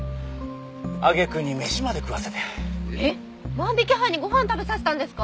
万引き犯にご飯食べさせたんですか？